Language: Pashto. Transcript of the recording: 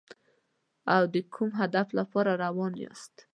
او د کوم هدف لپاره روان یاست.